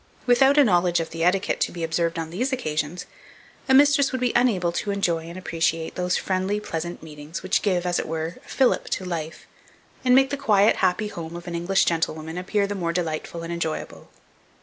Without a knowledge of the etiquette to be observed on these occasions, a mistress would be unable to enjoy and appreciate those friendly pleasant meetings which give, as it were, a fillip to life, and make the quiet happy home of an English gentlewoman appear the more delightful and enjoyable.